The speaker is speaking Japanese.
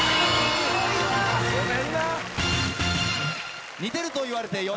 ごめんな。